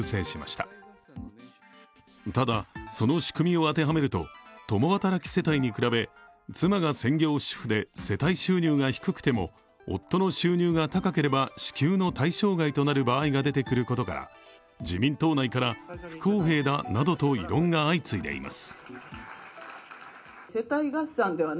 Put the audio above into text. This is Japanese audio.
ただ、その仕組みを当てはめると共働き世帯に比べ妻が専業主婦で世帯収入が低くても夫の収入が高ければ支給の対象外となる場合が出てくることから自民党内から不公平だなどと異論が相次いでいます。